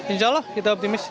insya allah kita optimis